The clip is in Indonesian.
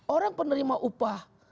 orang penerima upah